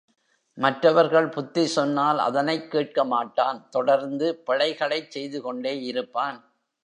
மற்றவர்கள் புத்தி சொன்னால் அதனைக் கேட்க மாட்டான் தொடர்ந்து பிழைகளைச் செய்துகொண்டே இருப்பான்.